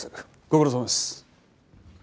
ご苦労さまです。